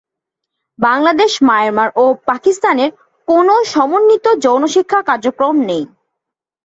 Bangladesh, Myanmar, ও পাকিস্তানের কোনও সমন্বিত যৌন শিক্ষা কার্যক্রম নেই।